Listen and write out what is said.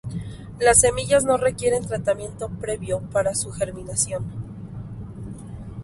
Las semillas no requieren tratamiento previo para su germinación.